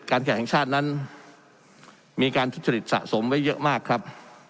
แข่งชาตินั้นมีการทุจริตสะสมไว้เยอะมากครับ